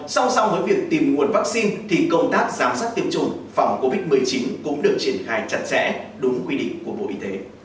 song song với việc tìm nguồn vaccine thì công tác giám sát tiêm chủng phòng covid một mươi chín cũng được triển khai chặt chẽ đúng quy định của bộ y tế